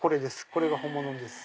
これが本物です。